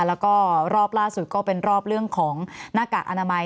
แล้วก็รอบล่าสุดก็เป็นรอบเรื่องของหน้ากากอนามัย